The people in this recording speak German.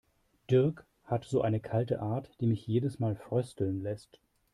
Dirk hat so eine kalte Art, die mich jedes Mal frösteln lässt.